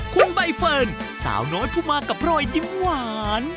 คุณใบเฟิร์นสาวน้อยผู้มากับรอยยิ้มหวาน